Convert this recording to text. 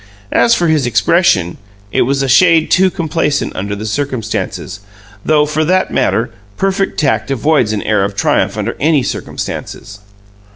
As for his expression, it was a shade too complacent under the circumstances, though, for that matter, perfect tact avoids an air of triumph under any circumstances.